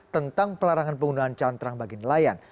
tentang pelarangan penggunaan cantrang bagi nelayan